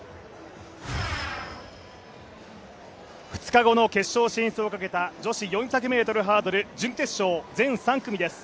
２日後の決勝進出をかけた女子４００ｍハードル準決勝全３組です。